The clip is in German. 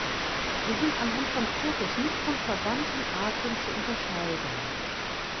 Sie sind anhand von Fotos nicht von verwandten Arten zu unterscheiden.